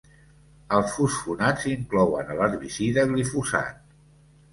Els fosfonats inclouen a l'herbicida glifosat.